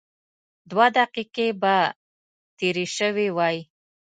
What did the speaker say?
دوه دقيقې به تېرې شوې وای.